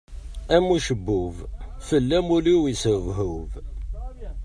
Am ucebbub, fell-am ul-iw yeshebhub.